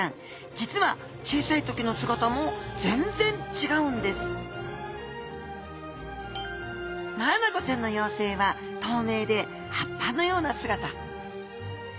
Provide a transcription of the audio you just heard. じつは小さい時の姿もぜんぜん違うんですマアナゴちゃんの幼生は透明で葉っぱのような姿。